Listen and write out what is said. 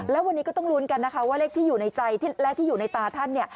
แล้ววันนี้ก็ต้องลุ้นกันนะคะว่าเลขที่อยู่ในใจและที่อยู่ในตาท่านเนี่ย